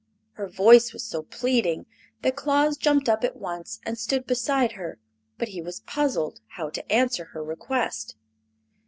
Her voice was so pleading that Claus jumped up at once and stood beside her. But he was puzzled how to answer her request.